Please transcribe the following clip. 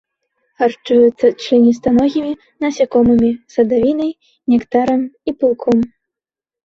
Харчуюцца членістаногімі, насякомымі, садавінай, нектарам і пылком.